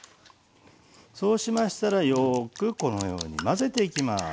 そうしましたらよくこのように混ぜていきます。